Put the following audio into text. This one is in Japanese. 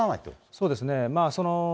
そうですね。